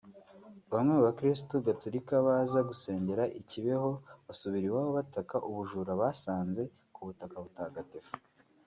Bamwe mu bakiristu gatolika baza gusengera i Kibeho basubira iwabo bataka ubujura basanze ku butaka butagatifu